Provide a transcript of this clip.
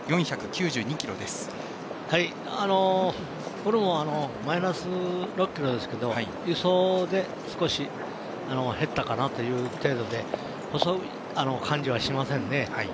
これもマイナス６ｋｇですけど輸送で、少し減ったかなという程度で細い感じはしませんね。